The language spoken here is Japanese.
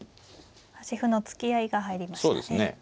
端歩の突き合いが入りましたね。